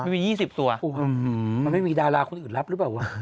มันไม่มีดาราคนอื่นรับหรือเปล่าวะ